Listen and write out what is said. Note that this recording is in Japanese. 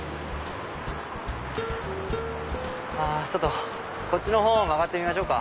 ちょっとこっちのほう曲がってみましょうか。